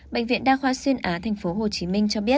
bệnh viện đa khoa xuyên á tp hcm cho biết